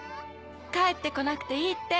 帰って来なくていいって。